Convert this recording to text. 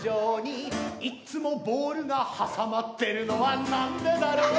「いっつもボールが挟まってるのはなんでだろう」